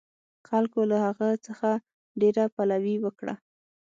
خلکو له هغه څخه ډېره پلوي وکړه.